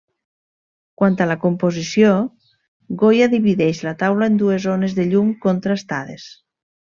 Quant a la composició, Goya divideix la taula en dues zones de llum contrastades.